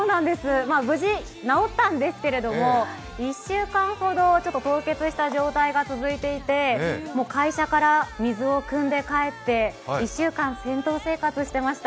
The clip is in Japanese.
無事、直ったんですけれども、１週間ほど凍結した状態が続いていて会社から水をくんで帰って１週間、銭湯生活してました。